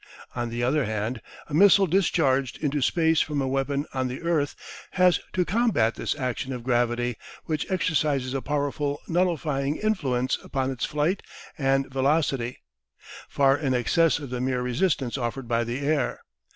On the other hand, a missile discharged into space from a weapon on the earth has to combat this action of gravity, which exercises a powerful nullifying influence upon its flight and velocity, far in excess of the mere resistance offered by the air.